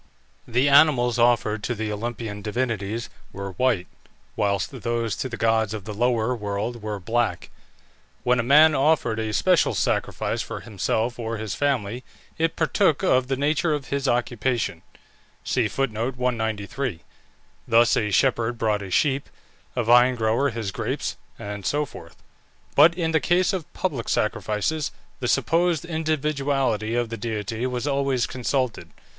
The animals offered to the Olympian divinities were white, whilst those to the gods of the lower world were black. When a man offered a special sacrifice for himself or his family it partook of the nature of his occupation; thus a shepherd brought a sheep, a vine grower his grapes, and so forth. But in the case of public sacrifices, the supposed individuality of the deity was always consulted.